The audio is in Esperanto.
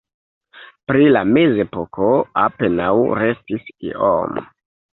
Pri la mezepoko apenaŭ restis iom.